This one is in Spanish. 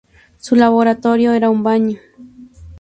Su laboratorio era un baño.